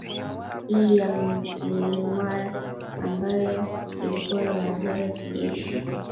i ya mynimar ambayo ilikuwa inaongozwa kijeshi